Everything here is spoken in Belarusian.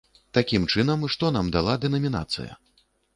Такім чынам, што нам дала дэнамінацыя?